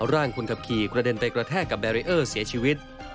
ร่างคนขับขี่กระเด็นไปกระแทกกับแบรีเออร์เสียชีวิต